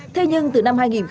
thế nhưng từ năm hai nghìn